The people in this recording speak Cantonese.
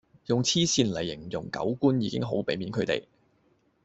用痴線來形容狗官已經好比面佢地